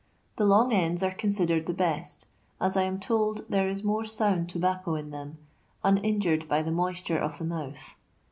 The long ends are considered the best, as I am told there is more sound tobacco in them, uninjured by the moisture of the mouth.